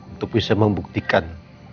untuk bisa membuktikan